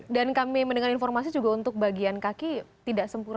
dan kami mendengar informasi juga untuk bagian kaki tidak sempurna